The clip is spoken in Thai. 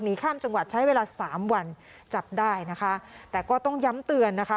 ข้ามจังหวัดใช้เวลาสามวันจับได้นะคะแต่ก็ต้องย้ำเตือนนะคะ